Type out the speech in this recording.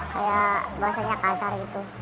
kayak bahasanya kasar gitu